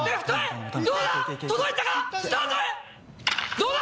どうだ？